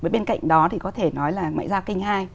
bên cạnh đó thì có thể nói là ngoại giao kinh hai